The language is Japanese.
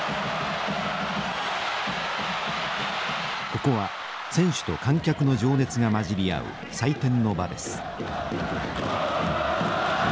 ここは選手と観客の情熱が混じり合う祭典の場です。